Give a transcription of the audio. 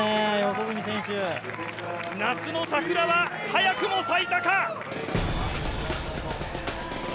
夏の桜は早くも咲いたか！？